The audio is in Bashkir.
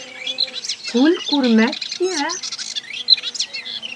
Күл күрмәҫ, тимә: